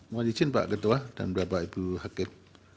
mohon izin pak ketua dan bapak ibu hakim